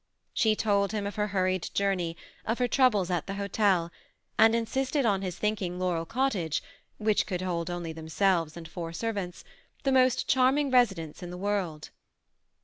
She told him of her hurried journey, of her troubles at the hotel, and insisted on his thinking Laurel (Cot tage — which could hold only themselves and four ser vants — the most charming residence in the world.